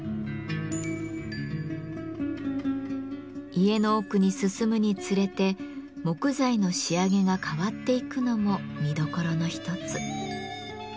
家の奥に進むにつれて木材の仕上げが変わっていくのも見どころの一つ。